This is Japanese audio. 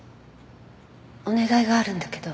お願いがあるんだけど。